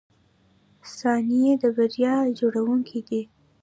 • ثانیې د بریا جوړونکي دي.